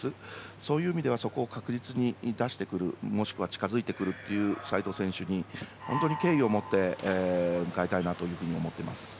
そういう意味ではそこを確実に出してくるもしくは近づいてくるという齋藤選手に本当に敬意を持って迎えたいなと思っています。